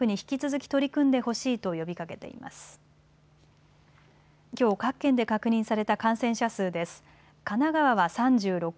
きょう各県で確認された感染者数です。